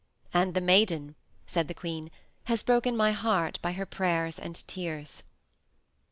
And the maiden," said the queen, "has broken my heart by her prayers and tears."